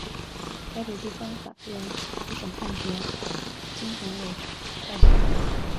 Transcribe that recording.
台北地方法院一审判决金恒炜败诉。